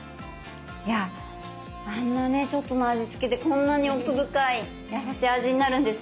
いやぁあのちょっとの味付けでこんなに奥深いやさしい味になるんですね。